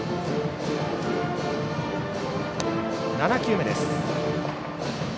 ７球目です。